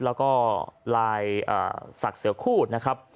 แล้วก็ลายศักดิ์เสือคู่นะครับ